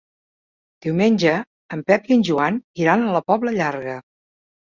Diumenge en Pep i en Joan iran a la Pobla Llarga.